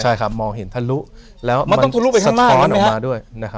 ใช่ครับมองเห็นทะลุแล้วมันสะท้อนออกมาด้วย